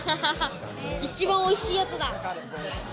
一番おいしいやつだ。